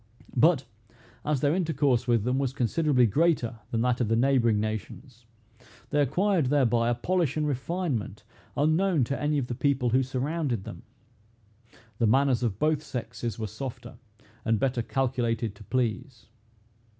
But, as their intercourse with them was considerably greater than that of the neighboring nations, they acquired thereby a polish and refinement unknown to any of the people who surrounded them. The manners of both sexes were softer, and better calculated to please.